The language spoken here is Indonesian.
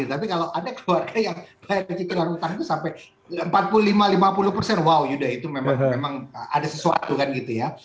tapi kalau ada keluarga yang bayar cicilan utang itu sampai empat puluh lima lima puluh wow itu memang ada sesuatu kan gitu ya